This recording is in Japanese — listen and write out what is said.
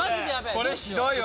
これひどいわ！